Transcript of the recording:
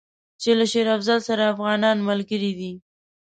چې له شېر افضل سره افغانان ملګري دي.